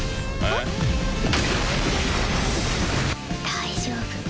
大丈夫。